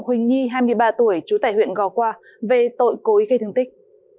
huỳnh nhi hai mươi ba tuổi trú tại huyện gò qua về tội cối gây thương tích